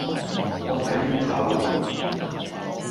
我睇唔透